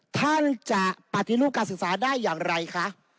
ท่านจะปฏิรูปการศึกษาได้อย่างไรคะ